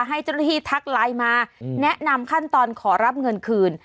ให้เจ้าหน้าที่ทักไลน์มาแนะนำขั้นตอนขอรับเงินคืน